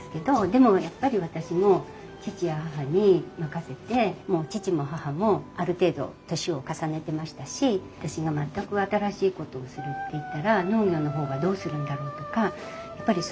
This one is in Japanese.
でもやっぱり私も義父や義母に任せて義父も義母もある程度歳を重ねてましたし私が全く新しいことをするって言ったら農業の方はどうするんだろうとかやっぱりすごく迷ったんですね。